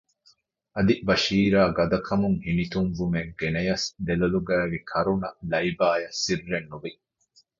އަދި ބަޝީރާ ގަދަކަމުން ހިނިތުންވުމެއް ގެނަޔަސް ދެލޮލުގައިވި ކަރުނަ ލައިބާއަށް ސިއްރެއްނުވި